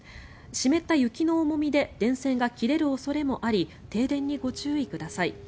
湿った雪の重みで電線が切れる恐れもあり停電にご注意ください。